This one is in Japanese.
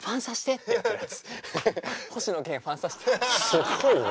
すごいな。